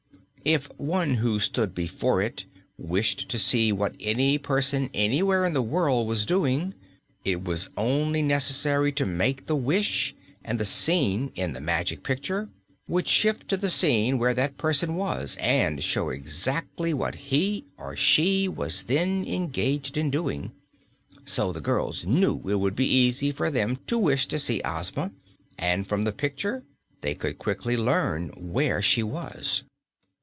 If one who stood before it wished to see what any person anywhere in the world was doing, it was only necessary to make the wish and the scene in the Magic Picture would shift to the scene where that person was and show exactly what he or she was then engaged in doing. So the girls knew it would be easy for them to wish to see Ozma, and from the picture they could quickly learn where she was.